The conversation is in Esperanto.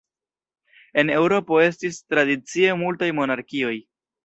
En Eŭropo estis tradicie multaj monarkioj.